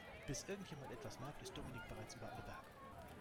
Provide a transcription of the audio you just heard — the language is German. Bis irgendjemand etwas merkt, ist Dominik bereits über alle Berge.